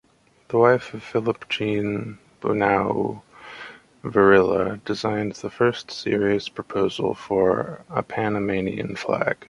The wife of Philippe-Jean Bunau-Varilla designed the first serious proposal for a Panamanian flag.